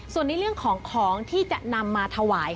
ส่วนในเรื่องของของที่จะนำมาถวาย